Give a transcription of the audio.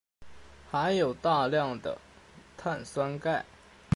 含有大量的碳酸鈣